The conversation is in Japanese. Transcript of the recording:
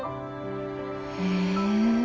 へえ。